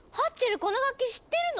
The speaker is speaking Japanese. この楽器知ってるの？